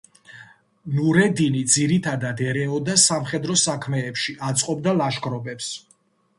ნურედინი ძირითადად ერეოდა სამხედრო საქმეებში, აწყობდა ლაშქრობებს.